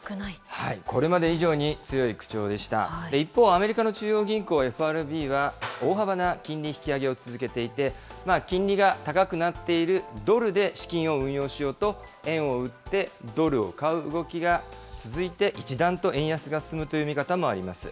アメリカの中央銀行・ＦＲＢは、大幅な金利引き上げを続けていて、金利が高くなっているドルで資金を運用しようと、円を売ってドルを買う動きが続いて、一段と円安が進むという見方もあります。